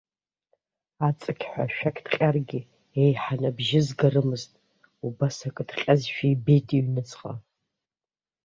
Аҵықьҳәа ашәақь ҭҟьаргьы, еиҳаны абжьы згарымызт, убас акы ҭҟьазшәа ибеит иҩнуҵҟа.